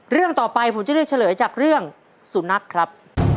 เรื่องต่อไปผมจะเลือกเฉลยจากเรื่องสุนัขครับ